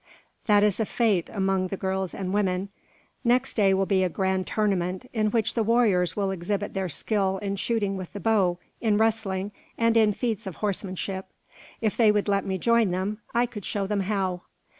That is a fete among the girls and women. Next day will be a grand tournament, in which the warriors will exhibit their skill in shooting with the bow, in wrestling, and feats of horsemanship. If they would let me join them, I could show them how."